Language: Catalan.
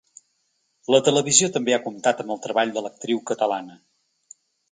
La televisió també ha comptat amb el treball de l’actriu catalana.